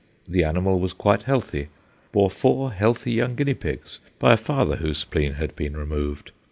The animal was quite healthy, bore four healthy young guinea pigs by a father whose spleen had been removed.